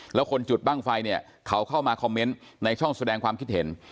แล้วคนจุดบ้างไฟเนี่ยเขาเข้ามาคอมเมนต์ในช่องแสดงความคิดเห็น